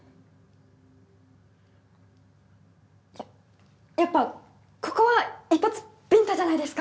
ややっぱここは一発ビンタじゃないですか？